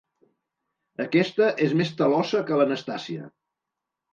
Aquesta és més talossa que l'Anastàsia.